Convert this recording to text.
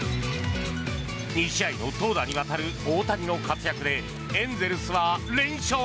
２試合の投打にわたる大谷の活躍でエンゼルスは連勝。